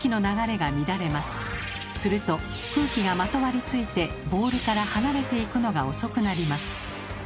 すると空気がまとわりついてボールから離れていくのが遅くなります。